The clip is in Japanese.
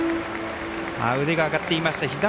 腕が上がっていました。